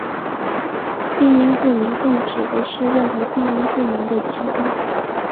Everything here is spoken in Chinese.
病因不明症指的是任何病因不明的疾病。